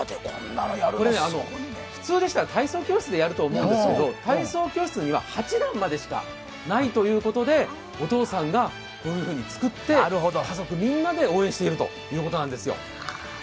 普通でしたら体操教室でやると思うんですけど体操教室には８段までしかないということでお父さんがこういうふうに作って家族みんなで応援しているということなんですよ。